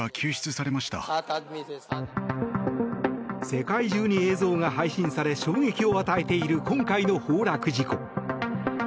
世界中に映像が配信され衝撃を与えている今回の崩落事故。